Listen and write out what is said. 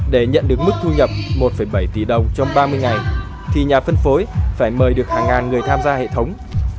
để nhận được mức thu nhập một bảy tỷ đồng trong ba mươi ngày thì nhà phân phối phải mời được hàng ngàn người tham gia hệ thống